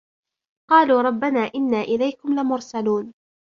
قالوا ربنا يعلم إنا إليكم لمرسلون